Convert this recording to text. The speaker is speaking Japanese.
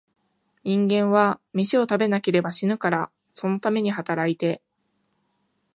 人間は、めしを食べなければ死ぬから、そのために働いて、